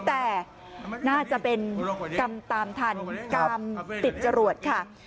แต่น่าจะเป็นกรรมตามทันกรรมติดจรวดค่ะ